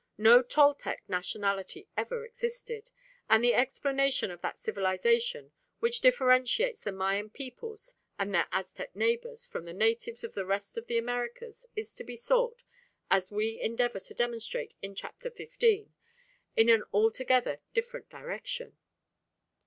No Toltec nationality ever existed; and the explanation of that civilisation which differentiates the Mayan peoples and their Aztec neighbours from the natives of the rest of the Americas is to be sought, as we endeavour to demonstrate in Chapter XV., in an altogether different direction.